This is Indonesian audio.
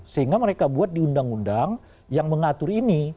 sehingga mereka buat di undang undang yang mengatur ini